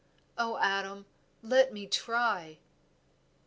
Oh, Adam, let me try."